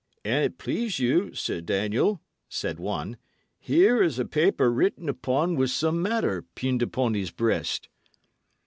"An't please you, Sir Daniel," said one, "here is a paper written upon with some matter, pinned upon his breast."